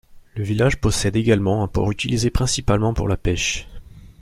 Le village possède également un port utilisé principalement pour la pêche.